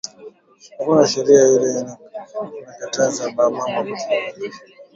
Akuna sheria ile ina kataza ba mama ku tumika